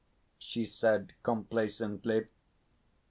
she said complacently.